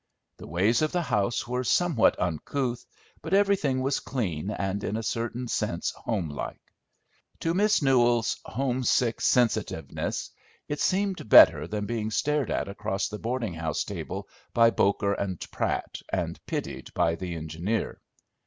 The ways of the house were somewhat uncouth, but everything was clean and in a certain sense homelike. To Miss Newell's homesick sensitiveness it seemed better than being stared at across the boarding house table by Boker and Pratt, and pitied by the engineer.